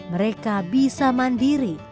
mereka bisa mandiri